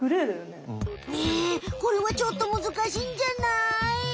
ねえこれはちょっとむずかしいんじゃない？